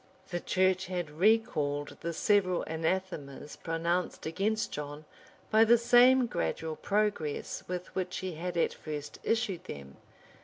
] The church had recalled the several anathemas pronounced against John, by the same gradual progress with which she had at first issued them.